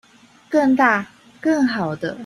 更大更好的